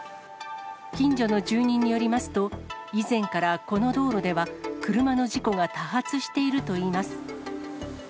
近所の住民によりますと、以前からこの道路では車の事故が多発しているといいます。